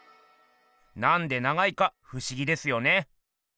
なんで長いかふしぎですよね。